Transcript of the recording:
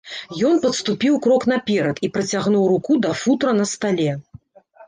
Ён падступіў крок наперад і працягнуў руку да футра на стале.